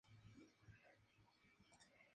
Recueil Mens.